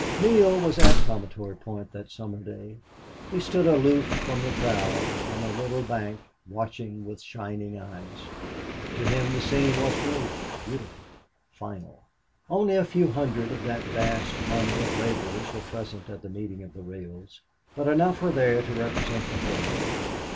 Neale was at Promontory Point that summer day. He stood aloof from the crowd, on a little bank, watching with shining eyes. To him the scene was great, beautiful, final. Only a few hundreds of that vast army of laborers were present at the meeting of the rails, but enough were there to represent the whole.